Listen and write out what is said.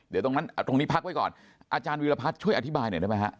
เดี๋ยวตรงนั้นตรงนี้พักไว้ก่อนอาจารย์วิรพัฒน์ช่วยอธิบายหน่อยได้ไหมฮะ